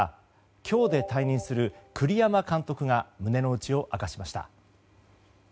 今日で退任する栗山監督が胸の内を明かしました。